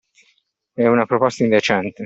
E' una proposta indecente!